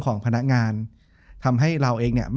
จบการโรงแรมจบการโรงแรม